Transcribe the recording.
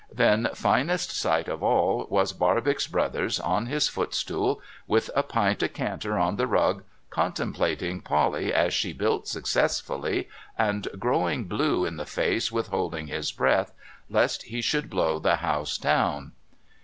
Then, finest sight of all, was Barbox Brothers on his footstool, with a pint decanter on the rug, contemplating Polly as she built successfully, and growing blue in the face with holding his breath, lest he should blow the house down.